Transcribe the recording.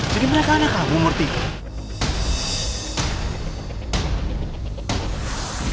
jadi mereka anak kamu umur tiga